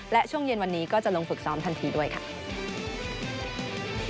และช่วงเย็นวันนี้ก็จะลงฝึกซ้อมทันทีด้วยค่ะ